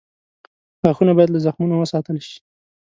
غاښونه باید له زخمونو وساتل شي.